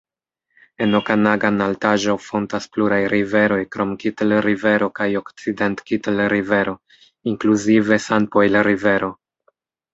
En Okanagan-Altaĵo fontas pluraj riveroj krom Kitl-Rivero kaj Okcident-Kitl-Rivero, inkluzive Sanpojl-Rivero.